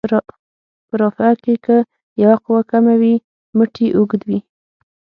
په رافعه کې که یوه قوه کمه وي مټ یې اوږد وي.